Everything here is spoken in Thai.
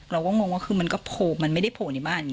เราก็มองว่าคือมันก็โผล่มันไม่ได้โผล่ในบ้าน